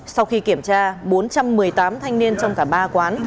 sau khi kiểm tra bốn trăm một mươi tám thanh niên trong cả ba quán